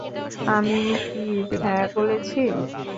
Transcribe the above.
আমি কি হ্যাঁ বলেছি?